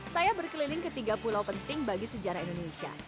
saya berkeliling ke tiga pulau penting bagi sejarah indonesia